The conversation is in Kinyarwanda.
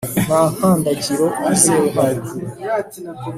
nta nkandagiro yizewe hano